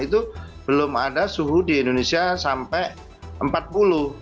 itu belum ada suhu di indonesia sampai empat puluh